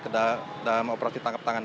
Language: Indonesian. dalam operasi tangkap tangan